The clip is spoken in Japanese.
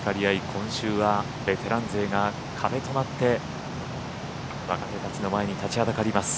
今週はベテラン勢が壁となって若手たちの前に立ちはだかります。